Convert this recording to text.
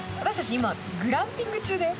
今、グランピング中だよ。